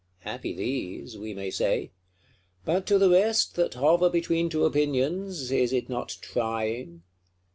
Happy these, we may say; but to the rest that hover between two opinions, is it not trying?